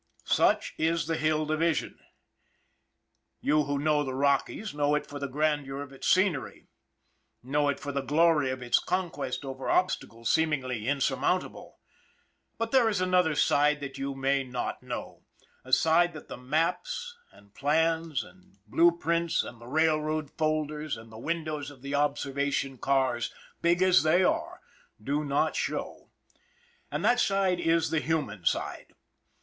Such is the Hill Division. You who know the Rockies know it for the grandeur of its scenery, know it for the glory of its conquest over obstacles seemingly insurmountable ; but there is another side that you may not know, a side that the maps and plans and blue 184 ON THE IRON AT BIG CLOUD prints and the railroad folders and the windows of the observation cars, big as they are, do not show and that side is the human side.